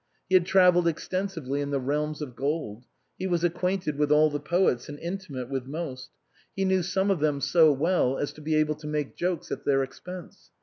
He had travelled extensively in the realms of gold. He was acquainted with all the poets and intimate with most ; he knew some of them so well as to be able to make jokes at their expense.